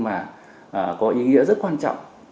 mà có ý nghĩa rất quan trọng